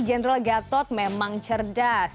general gatot memang cerdas